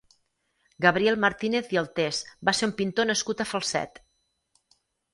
Gabriel Martínez i Altés va ser un pintor nascut a Falset.